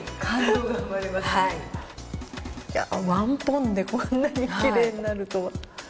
１ポンでこんなにきれいになるとは。